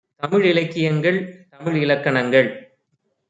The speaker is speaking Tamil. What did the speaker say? தமிழிலக் கியங்கள் தமிழிலக் கணங்கள்